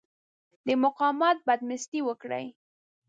د مقاومت بدمستي وکړي.